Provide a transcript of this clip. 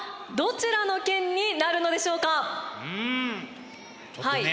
うんちょっとね